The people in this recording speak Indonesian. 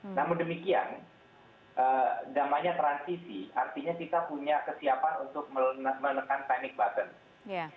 namun demikian namanya transisi artinya kita punya kesiapan untuk menekan panic button